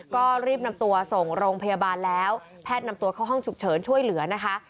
ก็รีบนำตัวส่งโรงพยาบาลแล้วแพทย์นำตัวเข้าห้องฉุกเฉินช่วยเหลือนะคะ